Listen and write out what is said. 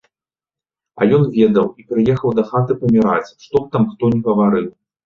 А ён ведаў, і прыехаў дахаты паміраць, што б там хто ні гаварыў.